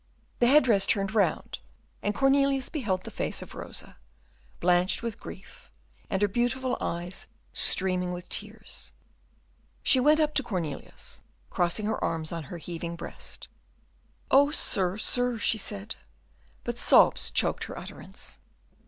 The head dress turned round, and Cornelius beheld the face of Rosa, blanched with grief, and her beautiful eyes streaming with tears. She went up to Cornelius, crossing her arms on her heaving breast. "Oh, sir, sir!" she said, but sobs choked her utterance.